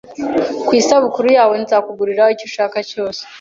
Ku isabukuru yawe, nzakugurira icyo ushaka cyose.